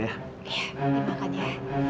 iya dimakan ya